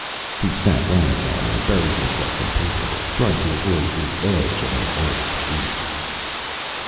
He sat down again and buried himself in paperwork, trying to avoid the edge of an old fear.